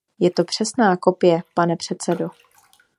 Je to přesná kopie, pane předsedo.